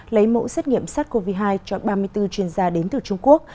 lấy mẫu xét nghiệm sars cov hai cho ba mươi bốn chuyên gia đến từ trung quốc